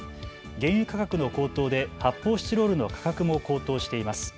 原油価格の高騰で発泡スチロールの価格も高騰しています。